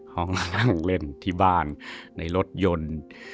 ห้องนั่งเล่นที่บ้านในรถยนต์